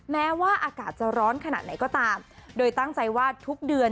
แม้ว่าอากาศจะร้อนขนาดไหนก็ตามโดยตั้งใจว่าทุกเดือน